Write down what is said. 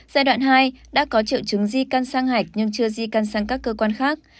giai đoạn hai đã có triệu chứng di căn sang hạch nhưng chưa di căn sang các cơ quan khác